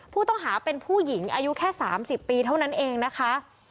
ผู้ต้องหาเป็นผู้หญิงอายุแค่๓๐ปีเท่านั้นเองนะคะ